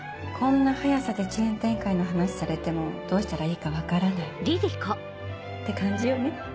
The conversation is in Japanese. こんな早さでチェーン展開の話されてもどうしたらいいか分からないって感じよね？